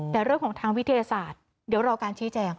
แต่เรื่องของทางวิทยาศาสตร์เดี๋ยวรอการชี้แจง